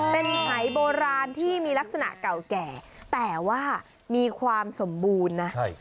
เป็นสายโบราณที่มีลักษณะเก่าแก่แต่ว่ามีความสมบูรณ์นะ